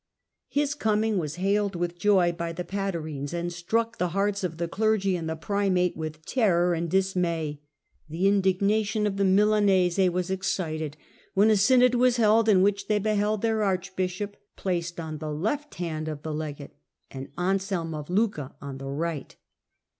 His coming was hailed with joy by the Patarines, and struck the hearts of the clergy and the primate with terror and dismay. The indignation of the Milanese was excited when a synod was held in which they beheld their archbishop placed on the left hand of the legate, and Anselm of Lucca on his right.